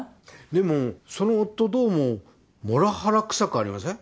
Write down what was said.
でもその夫どうもモラハラくさくありません？